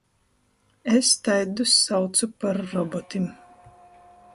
Es taidus saucu par robotim.